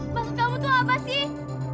maksud kamu tuh apa sih